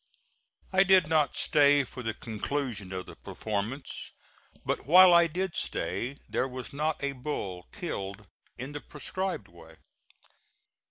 I did not stay for the conclusion of the performance; but while I did stay, there was not a bull killed in the prescribed way.